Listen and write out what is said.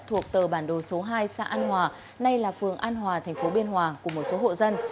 thuộc tờ bản đồ số hai xã an hòa nay là phường an hòa thành phố biên hòa của một số hộ dân